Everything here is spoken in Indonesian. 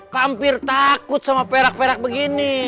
kampir takut sama perak perak begini